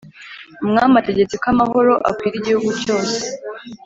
umwami ategetse ko amahoro akwira igihugu cyose.